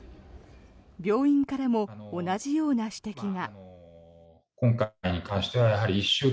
病院からも同じような指摘が。